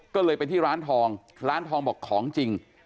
ก็เลยไปที่ร้านทองร้านทองบอกของจริง